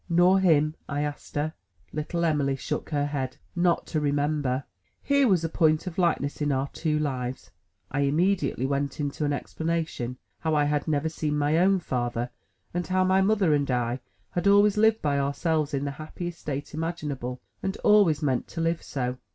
"Nor him?" I asked her. Little Em'ly shook her head. "Not to remember!" Here was a point Of likeness in our two lives! I immediately went into an explanation how I had never seen my own father, and how my mother and I had always lived by ourselves in the happiest state imaginable, and always meant to live so.